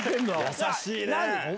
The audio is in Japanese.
優しいね！